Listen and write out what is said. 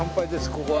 ここは。